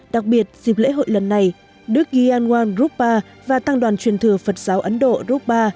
đặc biệt dịp lễ hội lần này đức ghi anwan rupa và tăng đoàn truyền thừa phật giáo ấn độ rupa